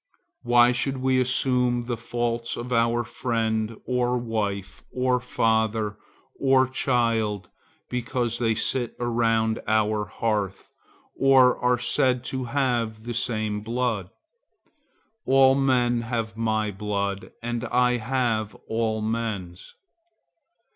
Why should we assume the faults of our friend, or wife, or father, or child, because they sit around our hearth, or are said to have the same blood? All men have my blood and I have all men's.